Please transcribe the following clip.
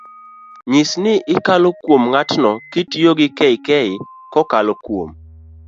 nyis ni ikalo kuom ng'atno kitiyo gi kk-kokalo kuom,